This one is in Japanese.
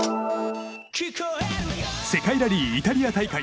世界ラリー・イタリア大会。